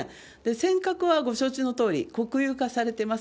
尖閣はご承知のとおり、国有化されてます。